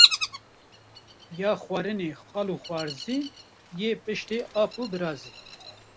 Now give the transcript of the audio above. Ya xwarinê xal û xwarzî, yê piştê ap û birazî